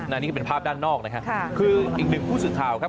อันนี้ก็เป็นภาพด้านนอกนะครับคืออีกหนึ่งผู้สื่อข่าวครับ